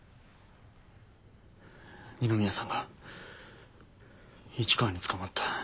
二宮さんが市川に捕まった。